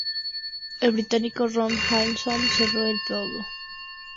El británico Ron Haslam cerró el podio.